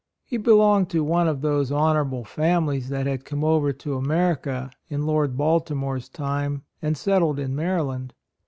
He belonged to one of those honorable families that had come over to America in Lord Baltimore's time and settled in Maryland.